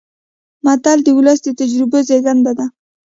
متل د ولس د تجربو زېږنده ده